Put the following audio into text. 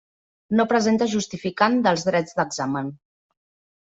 No presenta justificant dels drets d'examen.